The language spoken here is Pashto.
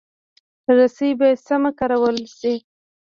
رسۍ باید سمه کارول شي.